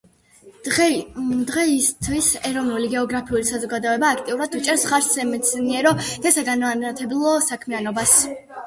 დღეისათვის ეროვნული გეოგრაფიული საზოგადოება აქტიურად უჭერს მხარს სამეცნიერო და საგანმანათლებლო საქმიანობას.